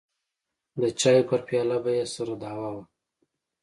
د چايو پر پياله به يې سره دعوه وه.